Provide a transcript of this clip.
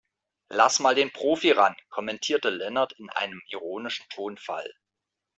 Lass mal den Profi ran, kommandierte Lennart in einem ironischen Tonfall.